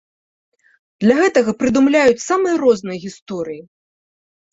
Для гэтага прыдумляюць самыя розныя гісторыі.